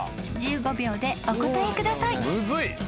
１５秒でお答えください］